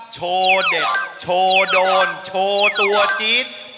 โชว์เด็กโชว์โดนโชว์ตัวจี๊ด